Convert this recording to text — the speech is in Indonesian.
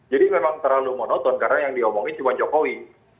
jadi memang terlalu monoton karena yang diomongin cuma jokowi